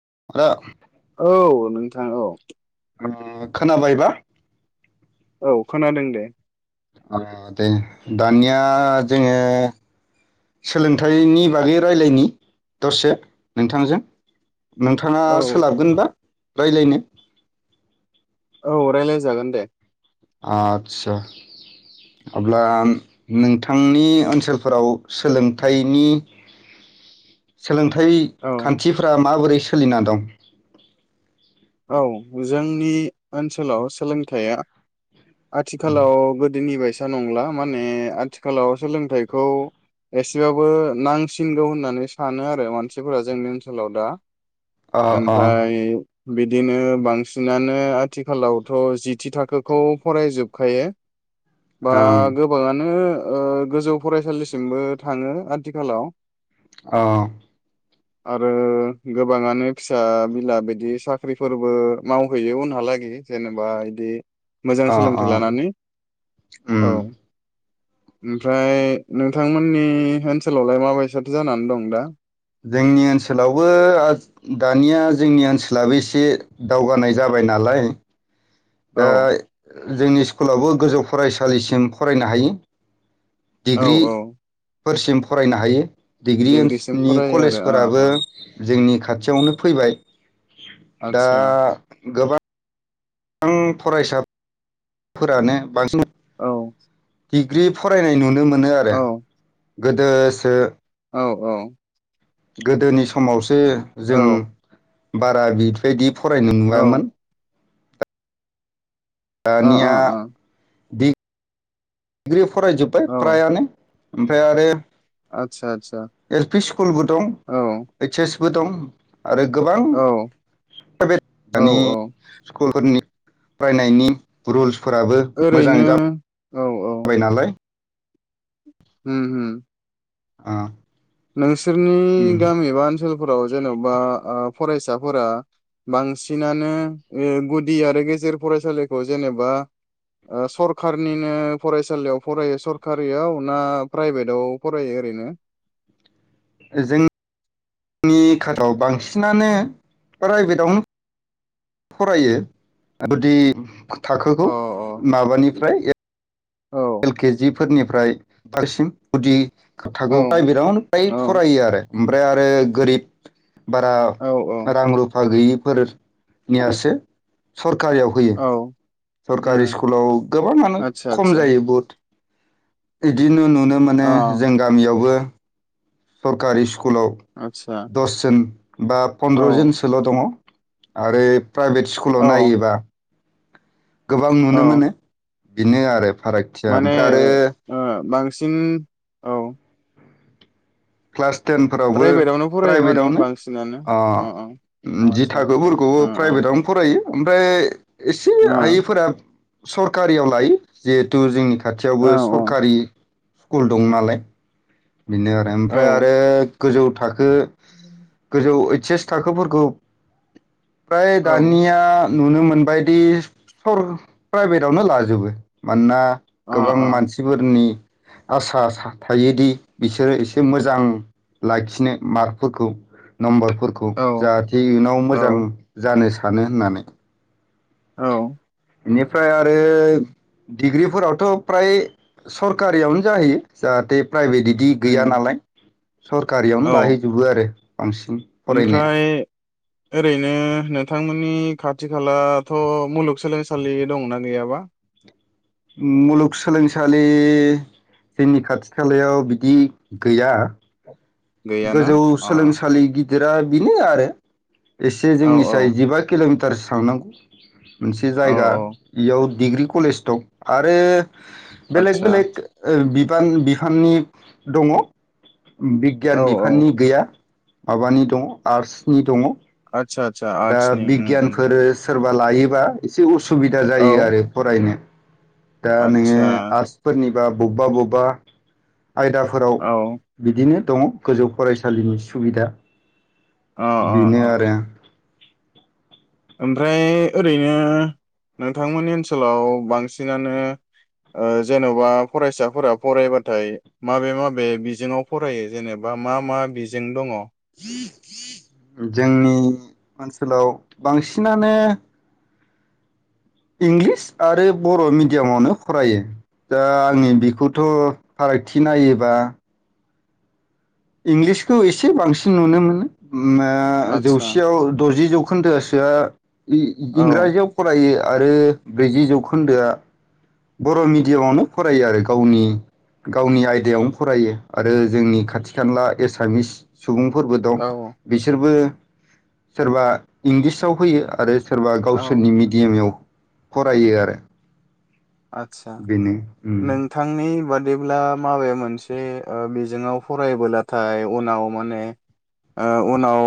[unintelligible] औ नोंथां औ। खोनाबायबा? औ खोनादों दे। अ दे दानिया जोङो सोलोंथाइनि बागै रायलायनि दसे नोंथांजों नोंथाङा औ सोलाबगोनबा रायलायनो? औ रायलाय जागोन दे। आदसा अब्ला नोंथांनि ओनसोलफोराव सोलोंथाइनि सोलोंथाइ औ खान्थिफ्रा माबोरै सोलिना दं? औ जोंनि ओनसोलाव सोलोंथाइया आथिखालाव गोदोनि बाय सा नंला माने आथिखालाव सोलोंथाइखौ एसेबाबो नांसिनगौ होननानै सानो आरो मानसिफोरा जोंनि ओनसोलाव दा। अ अ ओमफ्राय बिदिनो बांसिनानो आथिखालावथ' जिथि थाखोखौ फरायजोबखायो । बा ओं गोबाङानो ओ गोजौ फरायसालिसिमबो थाङो आथिखालाव । औ आरो गोबाङानो फिसा बिला बिदि साख्रिफोरबो मावहैयो उनहालागै जेनेबा इदि मोजां अ अ सोलोंथाइ लानानै उम औ ओमफ्राय नोंथांमोननि ओनसोलावलाय मा बायसाथो जानानै दं दा? जोंनि ओनसोलावबो दानिया जोंनि ओनसोलाबो एसे दावगानाय जाबाय नालाय दा औ जोंनि स्कुलावबो गोजौ फरायसालिसिम फरायनो हायो। औ औ फोरसिम फरायनो हायो । डिग्रि डिग्रिसिम ओनसनि फरायो आरो ओ कलेजफोराबो ओ जोंनि खाथियावनो फैबाय । दा आदसा गो बां फरायसाफोरानो बांसिन औ डिग्रि फरायनाय नुनो मो नो आरो। औ गोदोसो औ औ गोदोनि समाव सो औ जों बारा बिफोरबायदि फरायनो ओ नुवामोन । दानिया ओ दि ग्रिब फरायजोबबाय औ फ्रायानो ओमफ्राय आरो आतसा आतस एल पि स्कुलबो दं ओइस एस बो दं आरो गोबां औ औ प्राइभेटनि औ स्कुलफोरनि फरायनायनि रुल्स फोराबो मोजां ओरैनो औ औ जाबाय नालाय । होम होम अ नोंसोरनि गामि बा ओनसोल फोराव जेन'बा ओ फरायसाफोरा बांसिनानो ओ गुदि आरो गेजेर फरायसालिखौ जेनेबा ओ सरखारनिनो फरायसालियाव फरायो सरकारियाव ना प्राइभेटाव फरायो ओरैनो? जों नि खाथाव बांसिनानो प्राइभेटावनो फरायो गुदि अ थाखोखौ माबानिफ्राय औ एल केजि फोरनिफ्राय बारसिम गुदि औ खोबथागौ प्राइभेटावनो फ्राय औ फरायो आरो ओमफ्राय आरो गोरिब बारा औ औ रां रुफा गैयि फोरनियासो सर खारियाव होयो। औ सरकारि उम स्कुलाव गोबाङानो आतसा खम आतसा जायो बहुत इदिनो नुनो मोनो औ जों गामियावबो सरकारि सु कुलाव आतसा दस जोन बा औ पन्द्र'जनसोल' दङ । आरो प्राइभेट स्कुलाव औ नायोबा गोबां औ नुनो मोनो। बेनो आरो फारागथिया माने ओमफ्राय आरो ओ बांसिन औ क्लास टेनफोरावबो प्राइभेटावनो फरायो माने प्राइभेटावनो बांसिनानो अ अ अ जि आतसा आतसा थाखोफोरखौबो अ अ प्राइभेटआवनो फरायो ओमफ्राय एसे हायैफोरा सरकारियाव लायो जिहेथु जोंनि अ खाथियावबो औ सरखारि स्कुल दं नालाय बेनो आरो औ ओमफ्राय आरो गोजौ थाखो गो गोजौ से थाखोफोरखौ फ्राय औ दानिया नुनो मोनबायदि सर प्राइभेटआवनो लाजोबो मानोना अ गोबां मानसिफोरनि आसा थायोदि बिसोरो एसे मोजां लाखिनो मार्कफोरखौ नम्बर फोरखौ औ जाहाथे इयुनाव मोजां औ जानो सान थानो होननानै औ बेनिफ्राय आरो डिग्रिफोरावथ' फ्राय सरकारियावनो जाहैयो जाहाथे प्राइभेट बिदि गैया उम नालाय सरकारियावनो औ लाहैजोबो आरो बांसिन फरायनाया ओमफ्राय ओरैनो नोंथांमोननि खाथि खालाथ' मुलुगसोलोंसालि दंना गैयाबा मुलुगसोलोंसालि जोंनि खाथि खालायाव बिदि गैया गैयाना गोजौ अ सोलोंसालि गिदिर जेरा बेनो आरो एसे औ जोंनिसाय औ जिबा किल'मिटार गोथार सांनांगौ मोनसे औ जायगा औ इयाव डिग्रि कलेज दं आरो बेलेग आतसा बेलेग बि खान बिहाननि दङ। औ बिगियान औ बिफाननि गैया। माबानि दङ आर्ट्सनि दङ। आतसा आतसा दा आर्टसनि ओं ओं। बिगियानफोर सोरबा लायोबा एसे उसु सुबिदा औ जायो आरो फरायनो। दा नोङो आतसा आर्सफोरनि बा बबबा बबबा आयदाफोराव औ बिदिनो दङ गोजौ फरायसालिनि सुबिदा। अ बिनो अ आरो। ओमफ्राय ओरैनो नोंथांमोननि ओनसोलाव बांसिनानो ओ जेनबा फरायसाफोरा फरायबाथाय माबे माबे बिजोङाव फरायो जेनेबा मा मा बिजों दङ? जोंनि ओनसोलाव बांसिनानो इंलिस आरो बर' मिडियामावनो फरायो दा आङो बेखौथ फारागथि नायोबा इंलिसखौ एसे बांसिन नुनो मोनो। ओ आदसा जौसेयाव दजि जौखोन्दो आसोआ ई औ इंराजियाव फरायो। आरो ब्रैजि जौखोन्दोआ बर' मिडियामावनो फरायो आरो गावनि गावनि आयदायावनो फरायो आरो जोंनि खाथि खाला एसामिस सुबुंफोरबो दं औ बिसोरबो सोरबा इंलिसाव होयो आरो सोरबा औ गावसोरनि मिडियामाव फरायो आरो। आदसा बेनो उम नोंथांनि बाद बिदिब्ला माबे मोनसे ओ बिज बिजोंआव फरायबोलाथाय उनाव माने ओ उनाव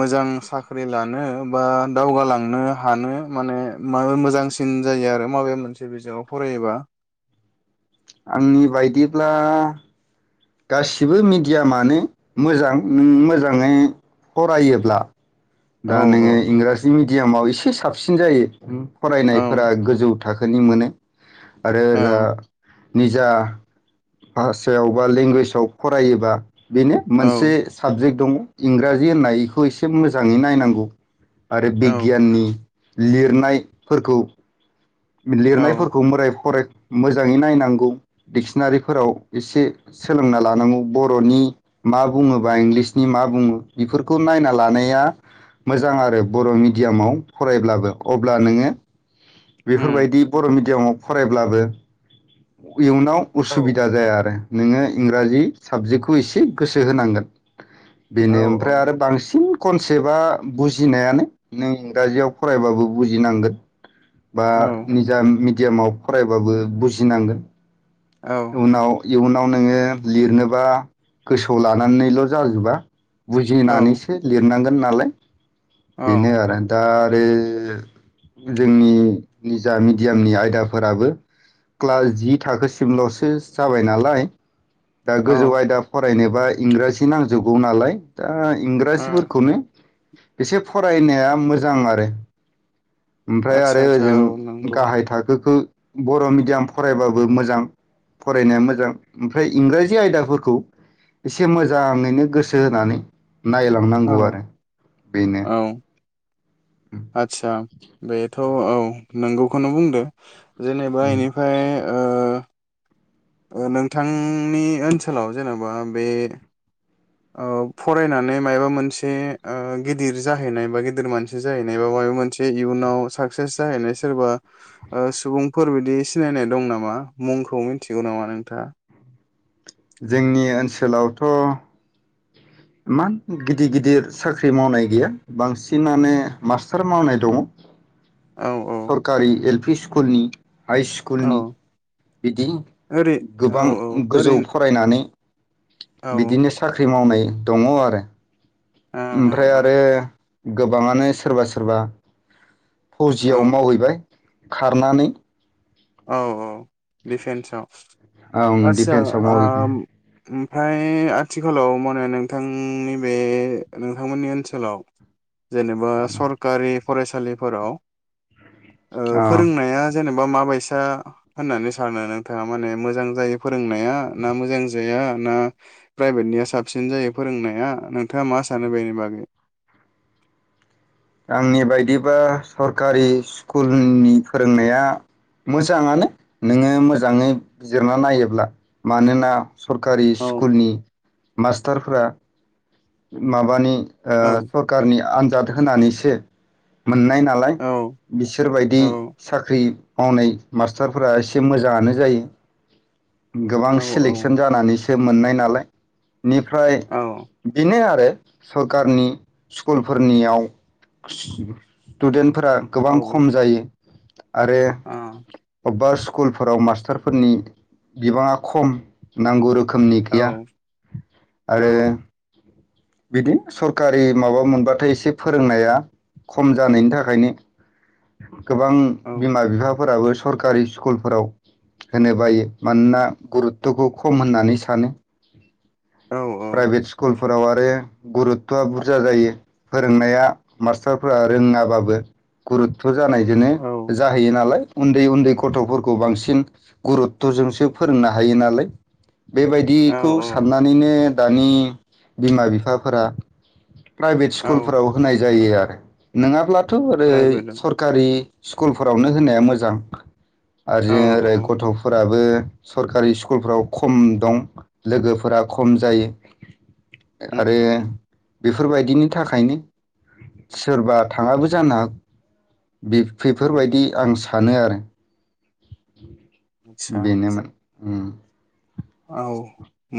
मोजां साख्रि लानो बा दावगालांनो हानो माने माबे मोजांसिन जायो आरो माबे मोनसे बिजाबाव फरायोबा । आंनि बायदिब्ला गासिबो मिडियामानो मोजां नों मोजाङै फरायोब्ला। औ दा औ नोङो इंराजि मिड दियामाव एसे साबसिन जायो। औ फरायनायफोरा गोजौ थाखोनि मोनो। आरो दा औ निजा भाषायाव बा लेंगुवेजाव फरायोबा बेनो मोनसे औ साबजेक्ट दं इंराजि होननायखौ एसे मोज जाङै नायनांगौ । आरो औ बिगियाननि लिरनायफोरखौ औ लिरनायफोरखौ मोरै फराय मोजाङै नायनांगौ दिडिक्सनारिफोराव एसे सोलोंना लानांगौ बरनि मा बुंङो बा इंलिसनि मा बुंङो बेफोरखौ नायना लानाया मोजां आरो बर' मिडियामाव फरायब्लाबो अब्ला नोंङो उम बेफोरबायदि बर मिडियामाव फरायब्लाबो इयुनाव औ असुबिदा जाया आरो नोंङो इंराजि साबजेक्टखौ एसे गोसो होनांगोन औ बेनो ओमफ्राय आरो बांसिन कनसेप्टआ बुजिनायानो नों इंराजियाव फरायबाबो बुजिनांगोन बा निजा मि दियामाव फरायबाबो बुजिनांगोन औ उनाव इयुनाव नोंङो लिरनोबा गोसोआव लानानैल जाजोबा बुजिनानैसो लिरनांगोन नाले बेनो आरो दा रे जोंनि निजा मिडियामनि आयदाफोराबो क्ला जि थाखो लसो जाबाय नालाय दा औ गोजौ ओ आयदा फरायनो बा इंराजि नांजोबगौ नालाय दा इंराजफोरखौनो बिसे फरायनाया मोजां आरो । ओमफ्राय आदसा आरो आदसा ओजों औ नंगौ गाहाय थाखोखो बर‌मिडियाम फरायबाबो मोजां फरायनाया मोजां ओमफ्राय इंराजि आयदाफोरखौ एसे मोजाङैनो गोसो होनानै औ नायलांनांगौ आरो बेनो । आतसा । बेथ औ नंगौखौनो बुंदो जेनेबा इनिफाय ओ नोंथांनि ओनसोलाव जेनेबा बे ओ फरायनानै माबा मोनसे गिदिर जाहैनाय बा गिदिर मानसि जाहैनाय बा माबा मोनसे जे इयुनाव साक्सेस जाहैनाय सोरबा सुबुंफोर बिदि सिनायनाय दं नामा मुंखौ मिथिगौ नामा नोंथाङा। जोंनि ओनसोलावथ'। इमान गिदिर गिदिर साख्रि मावनाय गैया बांसिनानो मास्टार मावनाय दङ औ औ सोरकारि एल पि स्कुलनि हाइ औ स्कुलनि बिदि ओरै औ गोबां औ गोजौ ओरैनो फरायनानै औ ओ बिदिनो स ख्रि मावनाय दङ आरो। ओ ओ ओमफ्राय आरो गोबाङानो सोरबा सोरबा औ फौजियाव मावहैबाय खारनानै औ औ। दिफेनसआव ओं आचसा डिफेन्सआव मावहैदों फ्राय आथिखालाव माने नोंथांनि बे नोंथांमोननि ओनसोलाव जेनेबा सरकारि फरायसालिफोराव ओ अ फोरोंनाया जेनेबा माबायसा सा होननानै सानो नोंथाङा माने मोजां जायो फोरोंनाया ना मोजां जाया ना प्राइभेटनिया साबसिन जायो फोरोंनाया नोंथाङा मा सानो बेनि बागै आंनि बायदिबा सरखारि स्कुलनि फोरोंनाया मोजाङानो नोङो मोजाङै बिजिरना नायोब्ला मानोना सरखारि औ स्कुलनि मास्टारफोरा माबानि ओ औ सरखारनि आ आनजाद होनानैसो। मोननाय नालाय औ बिसोरबायदि औ साख्रि मावनाय मास्टारफोरा एसे मोजाङानो जायो। गोबां औ सेलेकसन जानानैसो मोननाय नाला लाय बेनिफ्राय औ बेनो आरो सरकारनि स्कुलफोरनियाव स्टुडेन्ट फोरा औ गोबां खम जायो आरो औ अबेबा स्कुलफोराव मास्टारफोरनि बिबाङा खम नांगौ रोखोम रोखोमनि औ गैया आरो। बिदि सरखारि माबा मोनबाथाय एसे फोरोंनाया खम जानायनि थाखायनो गोबां बिमा-बिफा फोराबो सरकारि स्कुलफोराव होनो बायो मानोना गुरुत्थखौ खम होननानै सानो प्राइभेट स्कू कुलफोराव आरो गुरुतथआ बुरजा जायो फोरोंनाया मास्टारफोरा रोङाबाबो गुरुतथ' जानायजोंनो औ जाहैयो नालाय उन्दै उन्दै गथ'फोरखौ बांसिन गुरुत्थ'जोंसो फोरोंनो हायो नालाय बेबायदिखौ औ औ साननानैनो दानि बिमा-बिफाफोरा प्राइभेट औ स्कुलफोराव होनाय जायो आरो नङाब्ला थ' ओरै प्राइभेट सरकारि स्कुल फोरावनो होनाया मोजां आरो औ जों ओरै गथ'फोराबो सरकारि स्कुलफ्राव खम दं लोगोफोरा खम जायो। आरो उम बेफोरबायदिनि थाखायनो सोरबा थाङाबो जानो हागौ औ बेफोरबायदि आं सा सानो आरो आदसा बेनोमोन अम औ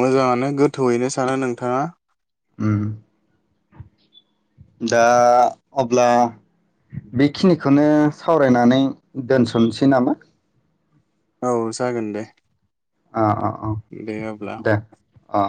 मोजाङानो गोथौयैनो सानो नोंथाङा उम दा अब्ला बेखिनिखौनो सावरायनानै दोनथ'नोसै नामा? औ जागोन दे अ अ अ दे अब्ला दे आ